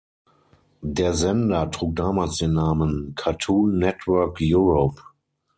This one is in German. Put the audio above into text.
Der Sender trug damals den Namen "Cartoon Network Europe".